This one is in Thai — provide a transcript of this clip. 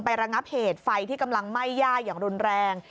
ระงับเหตุไฟที่กำลังไหม้ย่าอย่างรุนแรง